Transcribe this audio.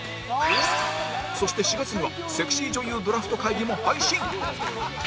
そして４月にはセクシー女優ドラフト会議も配信